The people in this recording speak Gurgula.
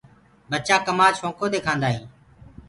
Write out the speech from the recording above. ٻچآ ڪمآد شوڪو دي کآندآ هين۔